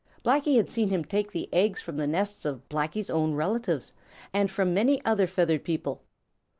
Blacky had seen him take the eggs from the nests of Blacky's own relatives and from many other feathered people.